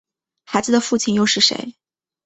孩子的父亲又是谁？